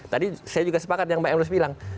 tadi saya juga sepakat yang mbak emrus bilang